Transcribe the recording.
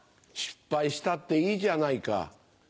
失敗したっていいじゃないか。